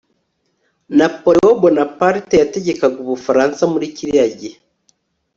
Napoleon Bonaparte yategekaga Ubufaransa muri kiriya gihe